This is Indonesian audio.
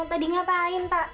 tadi ngapain pak